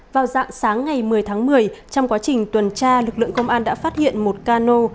vào dạng sáng ngày một mươi tháng một mươi trong quá trình tuần tra lực lượng công an đã phát hiện một cano